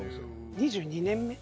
２２年目。